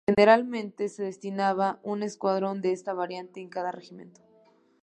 Generalmente se destinaba un escuadrón de esta variante en cada regimiento.